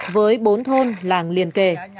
với bốn thôn làng liền kề